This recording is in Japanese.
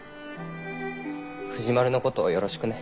藤丸のことをよろしくね。